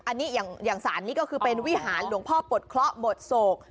อันนี้อย่างศาลนี้ก็คือเป็นวิหารหลวงพ่อปลดเคราะห์บทโศก